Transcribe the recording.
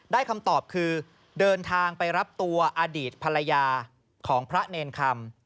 คำตอบคือเดินทางไปรับตัวอดีตภรรยาของพระเนรคำ